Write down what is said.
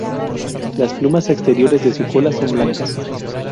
Las plumas exteriores de su cola son blancas.